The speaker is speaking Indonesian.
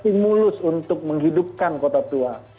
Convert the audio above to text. stimulus untuk menghidupkan kota tua